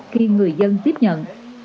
khi người dân tiếp nhận